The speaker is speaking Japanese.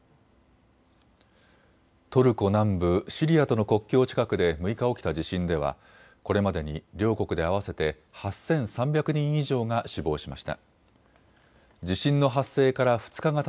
トルコ南部、シリアとの国境近くで６日起きた地震ではこれまでに両国で合わせて８３００人以上が死亡しました。